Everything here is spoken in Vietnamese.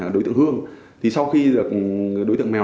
đối tượng hương